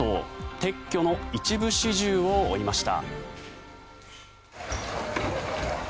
撤去の一部始終を追いました。